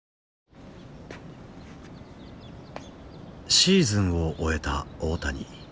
シーズンを終えた大谷。